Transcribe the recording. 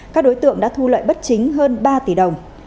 các đối tượng đã thu lợi bất chính hơn ba tỷ đồng